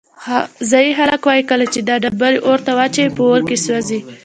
ځایی خلک وایي کله چې دا ډبرې اور ته واچوې په اور کې سوځي.